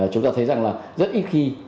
chúng ta thấy rằng là rất ít khi